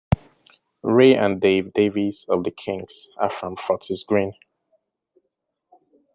Ray and Dave Davies of the Kinks are from Fortis Green.